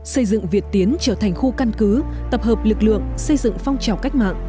xây dựng việt tiến trở thành khu căn cứ tập hợp lực lượng xây dựng phong trào cách mạng